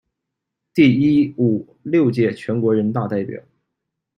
第一、五、六届全国人大代表。